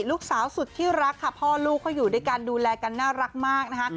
ลูกสาวสุดที่รักค่ะพ่อลูกเขาอยู่ด้วยกันดูแลกันน่ารักมากนะคะ